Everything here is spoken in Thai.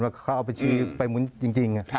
เขาเอาบัญชีไปหมุนจริง